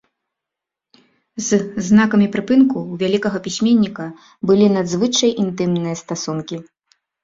З знакамі прыпынку ў вялікага пісьменніка былі надзвычай інтымныя стасункі.